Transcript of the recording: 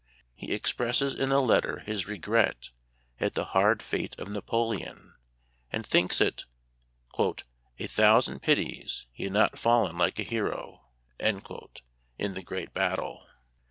He expresses in a letter his regret at the hard fate of Napoleon, and thinks it " a thousand pities he had not fallen like a hero " in the great battle.